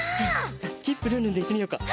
じゃあスキップルンルンでいってみよっか！